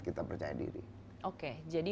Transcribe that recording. kita percaya diri oke jadi